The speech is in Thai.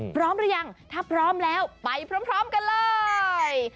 พร้อมหรือยังถ้าพร้อมแล้วไปพร้อมกันเลย